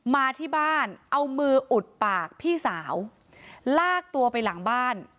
มาที่บ้านเอามืออุดปากพี่สาวลากตัวไปหลังบ้าน